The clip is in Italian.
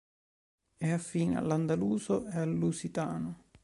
È affine all'andaluso e al lusitano.